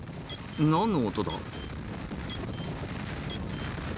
何の音だ？